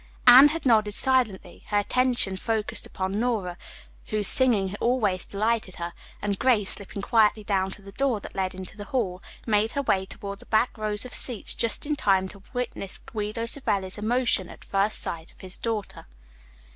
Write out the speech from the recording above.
Anne had nodded silently, her attention focused upon Nora, whose singing always delighted her, and Grace, slipping quietly down to the door that led into the hall, made her way toward the back rows of seats just in time to witness Guido Savelli's emotion at first sight of his daughter.